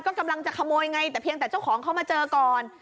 ก็กำลังจะขโมยไงแต่เพียงแต่เจ้าของเขามาเจอก่อน